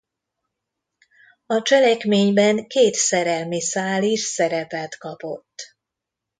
A cselekményben két szerelmi szál is szerepet kapott.